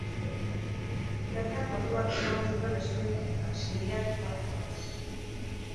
Bertan ordu batzuk eman zituen desorientatuta, senideak ezagutu gabe.